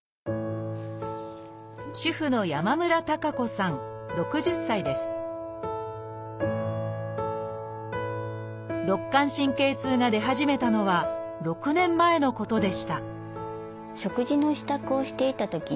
主婦の肋間神経痛が出始めたのは６年前のことでした